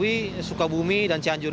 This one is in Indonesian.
bisa dari kawasan jawa sukabumi dan cianjur